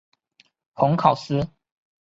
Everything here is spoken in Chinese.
蓬考斯。